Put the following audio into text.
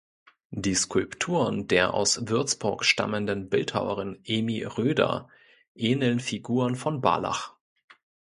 Die Skulpturen der aus Würzburg stammenden Bildhauerin Emy Roeder ähneln Figuren von Barlach.